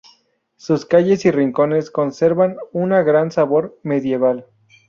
Sus calles y rincones conservan un gran sabor medieval.